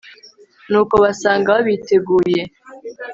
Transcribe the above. nuko basanga babiteguye